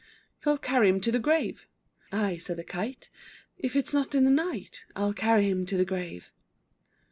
Who'll carry him to the grave? I, said the Kite, If it's not in the night. I'll carry him to the grave.